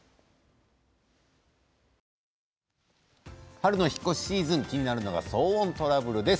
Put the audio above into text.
春の引っ越しシーズン気になるのは騒音トラブルです。